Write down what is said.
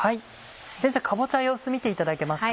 先生かぼちゃ様子見ていただけますか？